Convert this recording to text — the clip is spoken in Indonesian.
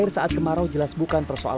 oh bottigu gua nggak nyebel